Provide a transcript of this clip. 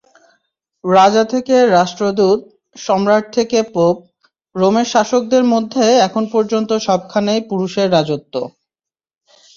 রাজা থেকে রাষ্ট্রদূত, সম্রাট থেকে পোপ—রোমের শাসকদের মধ্যে এখন পর্যন্ত সবখানেই পুরুষের রাজত্ব।